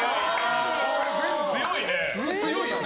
強いね。